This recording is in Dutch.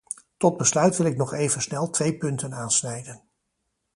Tot besluit wil ik nog even snel twee punten aansnijden.